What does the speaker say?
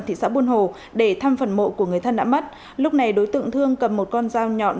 thị xã buôn hồ để thăm phần mộ của người thân đã mất lúc này đối tượng thương cầm một con dao nhọn